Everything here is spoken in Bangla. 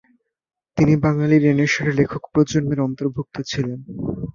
তিনি বাঙালি রেনেসাঁর লেখক প্রজন্মের অন্তর্ভুক্ত ছিলেন।